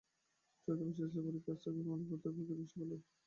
চলতি বছরের এসএসসি পরীক্ষার গণিতের প্রশ্নপত্র পরীক্ষার দিন সকালেই ছড়িয়ে পড়ে।